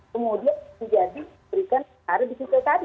kemudian menjadi berikan sejarah di situ tadi